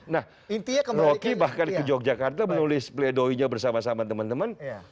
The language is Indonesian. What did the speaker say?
nah rocky bahkan ke yogyakarta menulis pledoinya bersama sama teman teman